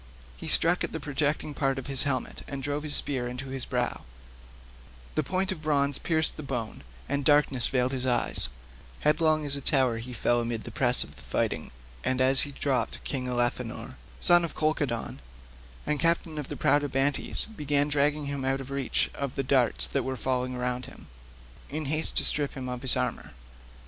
He struck at the projecting part of his helmet and drove the spear into his brow; the point of bronze pierced the bone, and darkness veiled his eyes; headlong as a tower he fell amid the press of the fight, and as he dropped King Elephenor, son of Chalcodon and captain of the proud Abantes began dragging him out of reach of the darts that were falling around him, in haste to strip him of his armour.